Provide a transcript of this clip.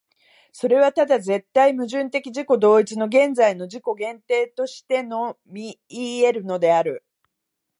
それはただ絶対矛盾的自己同一の現在の自己限定としてのみいい得るのである。